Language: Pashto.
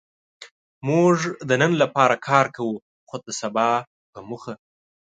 موږ د نن لپاره کار کوو؛ خو د سبا په موخه.